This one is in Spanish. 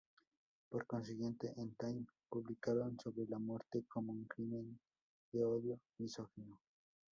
Por consiguiente, en "Time" publicaron sobre la muerte como un crimen de odio misógino.